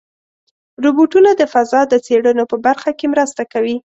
روبوټونه د فضا د څېړنو په برخه کې مرسته کوي.